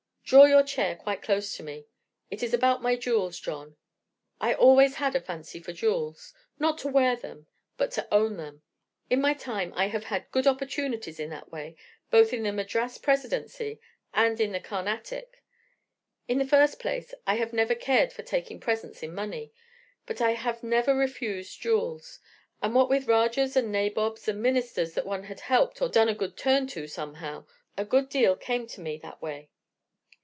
Draw your chair quite close to me. It is about my jewels, John. I always had a fancy for jewels not to wear them, but to own them. In my time I have had good opportunities in that way, both in the Madras Presidency and in the Carnatic. In the first place, I have never cared for taking presents in money, but I have never refused jewels; and what with Rajahs and Nabobs and Ministers that one had helped or done a good turn to somehow, a good deal came to me that way.